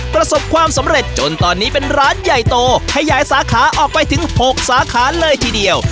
ประสบความสำเร็จจนตอนนี้เป็นร้านใหญ่โตขยายสาขาออกไปถึง๖สาขาเลยทีเดียว